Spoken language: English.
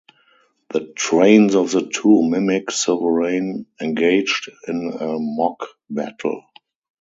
The trains of the two mimic sovereign engaged in a mock battle.